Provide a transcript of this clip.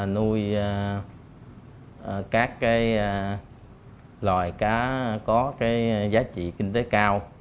nuôi các loài cá có giá trị kinh tế cao